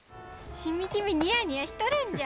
しみじみにやにやしとるんじゃ。